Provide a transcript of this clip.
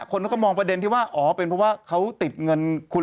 คนเขาก็มองประเด็นที่ว่าอ๋อเป็นเพราะว่าเขาติดเงินคุณ